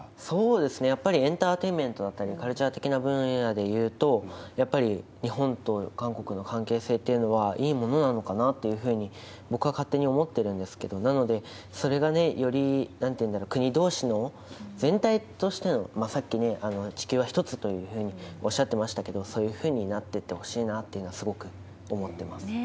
そうですね、やっぱりエンターテインメントだったり、カルチャー的な分野でいうと、ヤッパリ日本と韓国の関係性というのはいいものなのかなというふうに僕は勝手に思ってるんですけれども、なので、それがより、なんていうんだろう、国どうしの、全体としてのさっき地球は一つというふうにおっしゃってましたけれども、そういうふうになっていってほしいなっていうのは、今すごく思ってます。